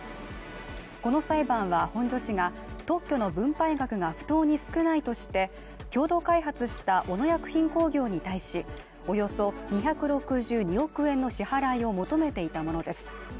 この裁判は本庶氏が特許の分配額が不当に少ないとして共同開発した小野薬品工業に対し、およそ２６２億円の支払いを求めていたものです。